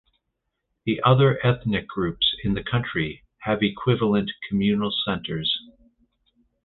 The other ethnic groups in the country have equivalent communal centers.